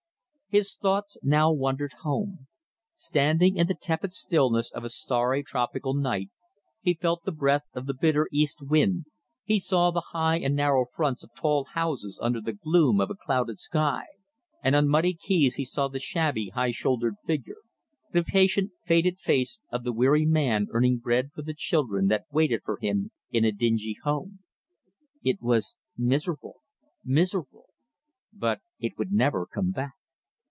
His thoughts now wandered home. Standing in the tepid stillness of a starry tropical night he felt the breath of the bitter east wind, he saw the high and narrow fronts of tall houses under the gloom of a clouded sky; and on muddy quays he saw the shabby, high shouldered figure the patient, faded face of the weary man earning bread for the children that waited for him in a dingy home. It was miserable, miserable. But it would never come back.